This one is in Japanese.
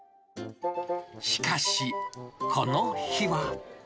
しかし、この日は。